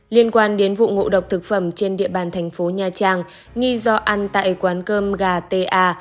liên quan đến vụ ngộ độc thực phẩm trên địa bàn thành phố nha trang nghi do ăn tại quán cơm gà ta